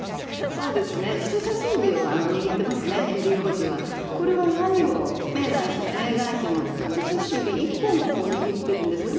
そうですね、人さし指を握ってますね、ヘンリー王子は、これは何を、メーガン妃の人さし指１本を握ってるんですね。